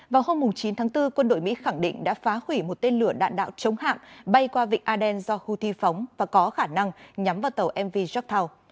vào hôm chín tháng bốn quân đội mỹ khẳng định đã phá hủy một tên lửa đạn đạo chống hạm bay qua vịnh aden do houthi phóng và có khả năng nhắm vào tàu mv gop tow